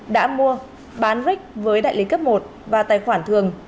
đã mua bán rick với đại lý cấp một và tài khoản thường